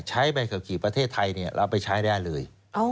ใช้ใบขับขี่ประเทศไทยเราไปใช้ได้เลย